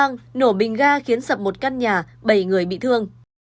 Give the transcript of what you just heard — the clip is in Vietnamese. kiên giang nổ bình ga khiến sập một căn nhà bảy người bị thương